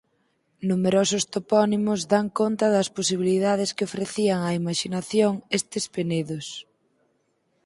Numerosos topónimos dan conta das posibilidades que ofrecían á imaxinación estes penedos.